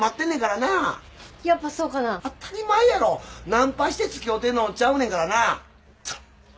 ナンパしてつきおうてんのとちゃうねんからな。